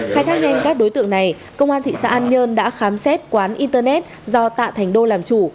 khai thác nhanh các đối tượng này công an thị xã an nhơn đã khám xét quán internet do tạ thành đô làm chủ